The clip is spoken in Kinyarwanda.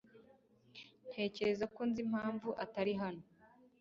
Ntekereza ko nzi impamvu atari hano.